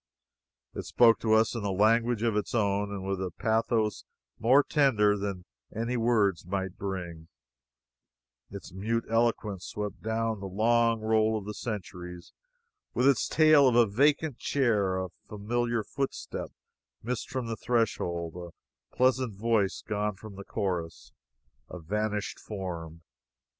It spoke to us in a language of its own; and with a pathos more tender than any words might bring, its mute eloquence swept down the long roll of the centuries with its tale of a vacant chair, a familiar footstep missed from the threshold, a pleasant voice gone from the chorus, a vanished form!